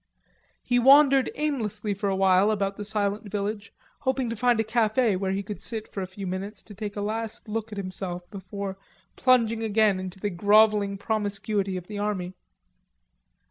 He wandered aimlessly for a while about the silent village hoping to find a cafe where he could sit for a few minutes to take a last look at himself before plunging again into the grovelling promiscuity of the army.